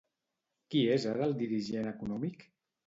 Qui és ara el dirigent econòmic?